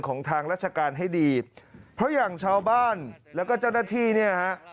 ของทางราชการให้ดีเพราะอย่างชาวบ้านแล้วก็เจ้าหน้าที่เนี่ยฮะ